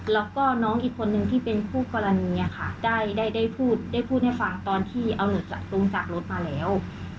แล้วก็น้องอีกคนนึงที่เป็นคู่กรณีค่ะได้พูดได้พูดให้ฟังตอนที่เอาหนูลงจากรถมาแล้ว